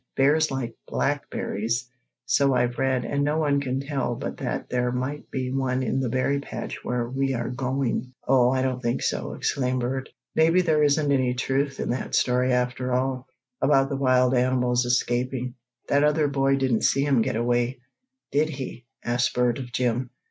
Bears like blackberries, so I've read, and no one can tell but that there might be one in the berry patch where we are going." "Oh, I don't think so!" exclaimed Bert. "Maybe there isn't any truth in that story after all, about the wild animals escaping. That other boy didn't see 'em get away, did he?" asked Bert of Jim.